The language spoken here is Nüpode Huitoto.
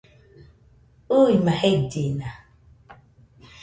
ɨɨma jellina